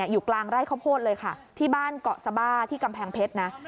อยู่กลางไร่ข้าวโพดเลยค่ะที่บ้านเกาะสบ้าที่กำแพงเพชรนะ